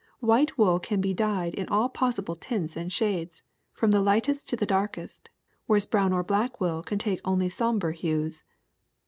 White wool can be dyed in all possible tints and shades, from the lightest to the darkest, whereas brown or black wool can take only somber hues.